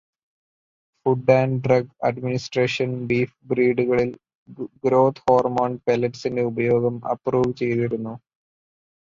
Food and drug administration beef ബ്രീഡുകളിൽ growth hormone പെല്ലറ്റ്സിന്റെ ഉപയോഗം അപ്രൂവ് ചെയ്തിരുന്നു.